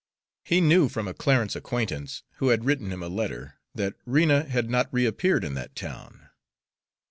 He knew from a Clarence acquaintance, who had written him a letter, that Rena had not reappeared in that town.